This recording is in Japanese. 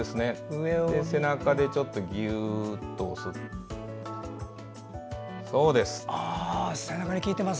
背中でちょっとギューッと押す。